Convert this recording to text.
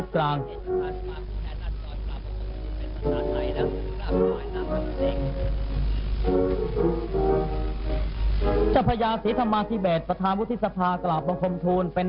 จากนั้นเวลา๑๑นาฬิกาเศรษฐ์พระธินั่งไพรศาลพักศิลป์